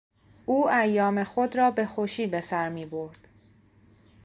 او ایام خود را به خوشی بهسر میبرد.